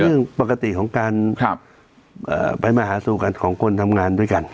เรื่องปกติของการไปมาหาสู่กันของคนทำงานด้วยกัน